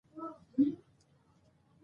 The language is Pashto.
د منځنیو پیړیو اخلاقي ډرامې پکې شته.